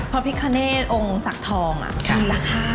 พระพิธคเนสองค์ศักดิ์ทองคือราคา